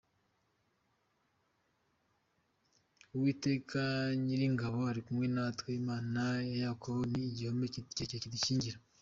Uwiteka Nyiringabo ari kumwe natwe, Imana ya Yakobo ni igihome kirekire kidukingira.